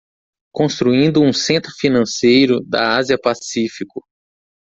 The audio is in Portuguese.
Construindo um Centro Financeiro da Ásia-Pacífico